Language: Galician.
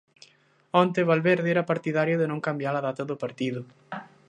Onte Valverde era partidario de non cambiar a data do partido.